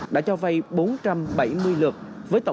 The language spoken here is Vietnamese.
đã cho vay bốn trăm bảy mươi lượt